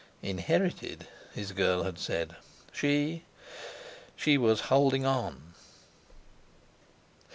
"Inherited," his girl had said. She—she was "holding on"!